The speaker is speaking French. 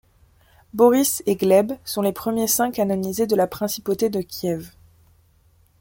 Boris et Gleb sont les premiers saints canonisés de la principauté de Kiev.